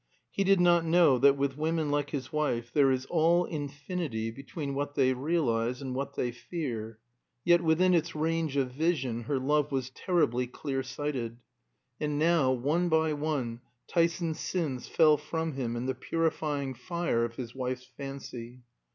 He did not know that with women like his wife there is all infinity between what they realize and what they fear. Yet within its range of vision her love was terribly clearsighted. And now, one by one, Tyson's sins fell from him in the purifying fire of his wife's fancy.